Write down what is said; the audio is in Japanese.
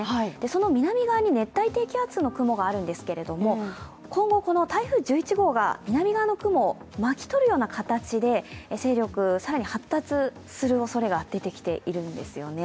その南側に熱帯低気圧の雲があるんですけれども今後、この台風１１号が南側の雲を巻き取るような形で勢力、更に発達するおそれが出てきているんですよね。